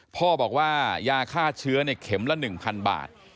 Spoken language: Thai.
พ่อบอกว่ายาฆ่าเชื้อเข็มละ๑๐๐บาท